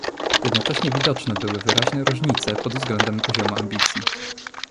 Jednocześnie widoczne były wyraźne różnice pod względem poziomu ambicji